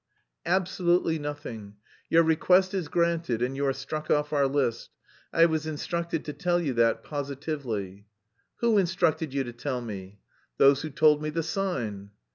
"Absolutely nothing. Your request is granted, and you are struck off our list. I was instructed to tell you that positively." "Who instructed you to tell me?" "Those who told me the sign."